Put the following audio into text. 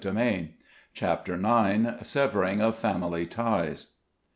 205 CHAPTER IX. SEVERING OF FAMILY TIES.